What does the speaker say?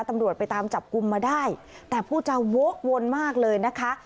ตำรวจไปตามจับกลุ่มมาได้แต่ผู้จาโว๊ควนมากเลยนะคะ